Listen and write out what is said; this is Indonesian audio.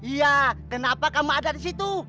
iya kenapa kamu ada di situ